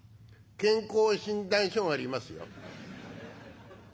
健康診断書が要りますよ」。